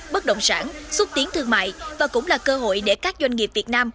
bất động sản xuất tiến thương mại và cũng là cơ hội để các doanh nghiệp việt nam